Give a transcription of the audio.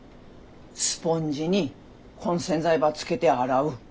スポンジにこん洗剤ばつけて洗う。